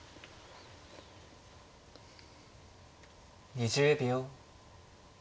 ２０秒。